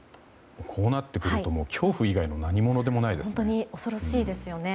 こうなってくると恐怖以外の何物でもないですね。